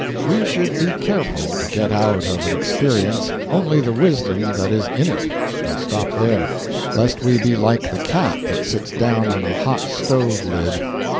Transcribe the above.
We should be careful to get out of an experience only the wisdom that is in it and stop there; lest we be like the cat that sits down on a hot stove lid.